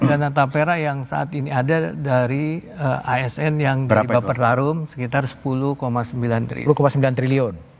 dana tapera yang saat ini ada dari asn yang di baper larum sekitar sepuluh sembilan triliun